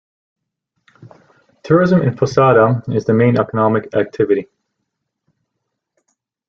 Tourism in Posada is the main economic activity.